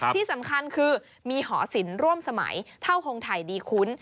ที่สำคัญคือมีหอศิลปร่วมสมัยเท่าทงไทยดีคุ้น